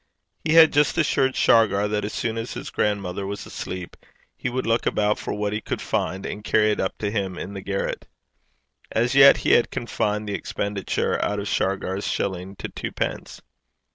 He had just assured Shargar that as soon as his grandmother was asleep he would look about for what he could find, and carry it up to him in the garret. As yet he had confined the expenditure out of Shargar's shilling to twopence.